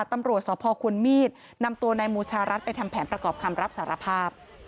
ตำรวจสพควรมีดนำตัวนายมูชารัฐไปทำแผนประกอบคำรับสารภาพ